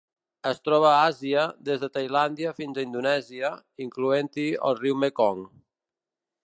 Es troba a Àsia: des de Tailàndia fins a Indonèsia, incloent-hi el riu Mekong.